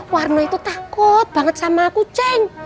warno itu takut banget sama kucing